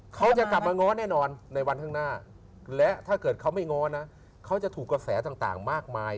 เขาจะกลับมาง้อแน่นอนในวันข้างหน้าและถ้าเกิดเขาไม่ง้อนะเขาจะถูกกระแสต่างมากมาย